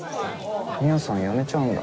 海音さん辞めちゃうんだ。